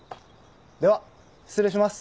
では失礼します。